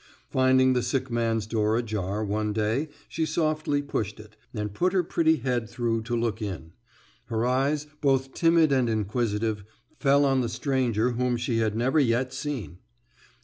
Finding the sick man's door ajar, one day, she softly pushed it, and put her pretty head through to look in. Her eyes, both timid and inquisitive, fell on the stranger whom she had never yet seen.